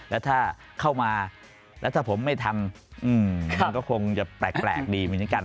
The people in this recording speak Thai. แล้วถ้าเข้ามาแล้วถ้าผมไม่ทำมันก็คงจะแปลกดีเหมือนกัน